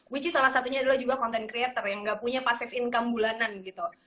which is salah satunya adalah juga content creator yang gak punya passive income bulanan gitu